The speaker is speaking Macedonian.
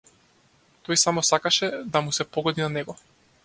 Тој само сакаше да му се погоди на него.